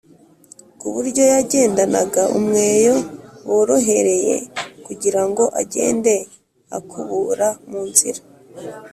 ku buryo yagendanaga umweyo worohereye kugira ngo agende akubura mu nzira